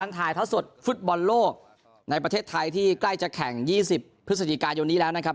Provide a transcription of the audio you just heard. ถ่ายเท้าสดฟุตบอลโลกในประเทศไทยที่ใกล้จะแข่ง๒๐พฤศจิกายนนี้แล้วนะครับ